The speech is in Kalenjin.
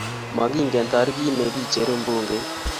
makingen tarikit ne kicheru mbungeit